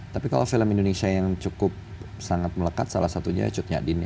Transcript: tapi kalau film indonesia yang cukup sangat melekat salah satunya cut nyadin